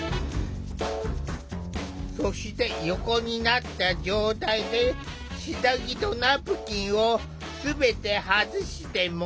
そして横になった状態で下着とナプキンを全て外してもらう。